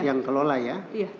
yang kelola ya